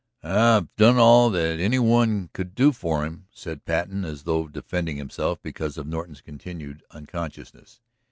"I've done all that any one could do for him," said Patten, as though defending himself because of Norton's continued unconsciousness.